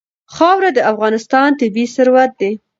خاوره د افغانستان طبعي ثروت دی.